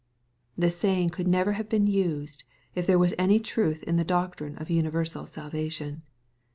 This saying could never have been used, if there was any truth in the doctrine of universal salvation.